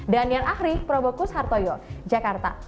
danian ahri probokus hartoyo jakarta